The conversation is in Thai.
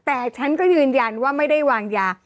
แต่ฉันก็ยืนยันว่าไม่ได้วางยา